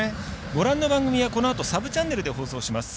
ご覧の番組はこのあとサブチャンネルで放送します。